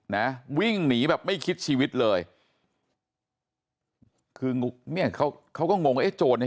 นะวิ่งหนีแบบไม่คิดชีวิตเลยคือเนี่ยเขาเขาก็งงเอ๊ะโจรเนี้ย